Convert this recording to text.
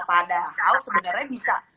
padahal sebenarnya bisa